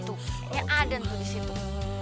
tuh yang ada tuh di situ